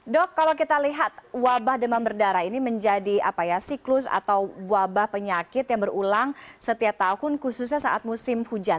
dok kalau kita lihat wabah demam berdarah ini menjadi siklus atau wabah penyakit yang berulang setiap tahun khususnya saat musim hujan